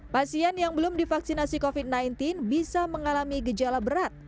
pasien yang belum divaksinasi covid sembilan belas bisa mengalami gejala berat